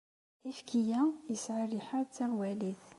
Ayefki-a yesɛa rriḥa d taɣwalit.